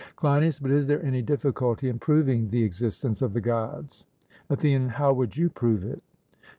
CLEINIAS: But is there any difficulty in proving the existence of the Gods? ATHENIAN: How would you prove it?